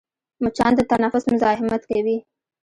مچان د تنفس مزاحمت کوي